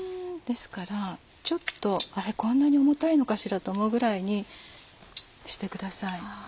ですからちょっとこんなに重たいのかしらと思うぐらいにしてください。